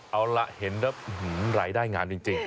เอาล่ะเห็นแล้วรายได้งามจริง